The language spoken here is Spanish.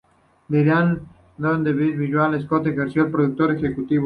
Dirigida por Denis Villeneuve, Scott ejerció de productor ejecutivo.